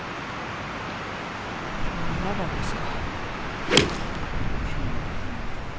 ７番ですか。